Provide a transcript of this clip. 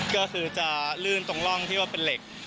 ก็คือจะลื่นตรงร่องที่ว่าเป็นเหล็ก